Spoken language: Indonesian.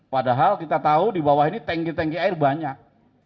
padahal kita tahu di bawah ini tanki tanki air banyak